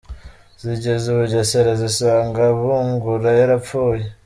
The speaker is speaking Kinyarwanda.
Zigeze i Bugesera, zisanga Bungura yarapfuye.